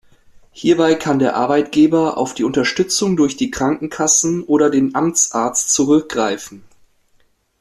Hierbei kann der Arbeitgeber auf die Unterstützung durch die Krankenkassen oder den Amtsarzt zurückgreifen.